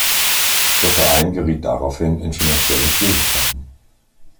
Der Verein geriet daraufhin in finanzielle Schwierigkeiten.